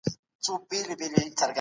کار باید له توان سره برابر وي.